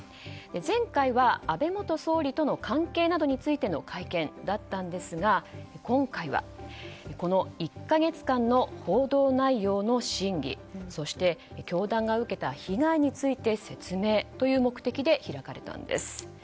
前回は安倍元総理との関係などについての会見だったんですが今回はこの１か月間の報道内容の真偽そして、教団が受けた被害について説明という目的で開かれたんです。